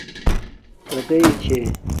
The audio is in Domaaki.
کتݵئ چھݺ؟